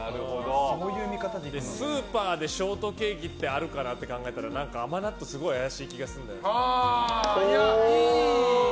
スーパーでショートケーキってあるかなって考えたら何か甘納豆すごい怪しい気がするんだよな。